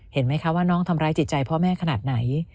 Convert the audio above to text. เห็นไหมคะว่าน้องทำร้ายจิตใจพ่อแม่ขนาดไหน